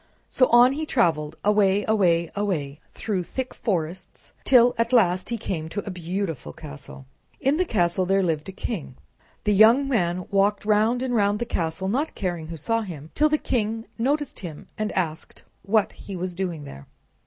So on he traveled, away, away, away, through thick forests, till at last he came to a beautiful castle. In the castle there lived a king. The young man walked round and round the castle, not caring who saw him, till the king noticed him and asked what he was doing there.